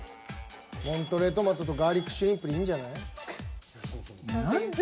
モントレー・トマトとガ―リックシュリンプでいいんじゃない？